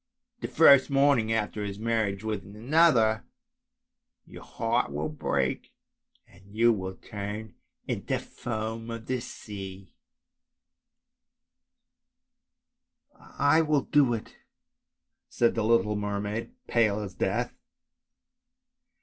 The first morning after his marriage with another your heart will break, and you will turn into foam of the sea." i + ANDERSEN'S FAIRY TALES " I will do it," said the little mermaid as pale as death.